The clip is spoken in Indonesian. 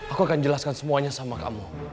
aku akan jelaskan semuanya sama kamu